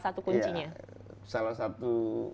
satu kuncinya salah satu